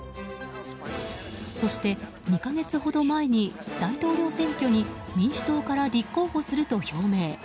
そして、２か月ほど前に大統領選挙に民主党から立候補すると表明。